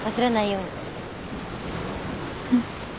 うん。